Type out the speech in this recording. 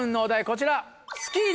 こちら。